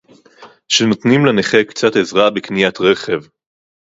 שנותנים לנכה קצת עזרה בקניית רכב